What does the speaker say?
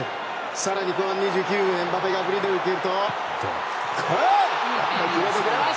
更に後半２９分エムバペがフリーで受けると決めてくれます！